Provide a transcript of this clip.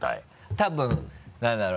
多分何だろう？